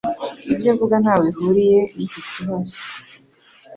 Ibyo avuga ntaho bihuriye niki kibazo.